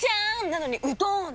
なのにうどーん！